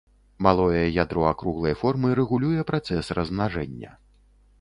Малое ядро акруглай формы рэгулюе працэс размнажэння.